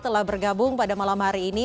telah bergabung pada malam hari ini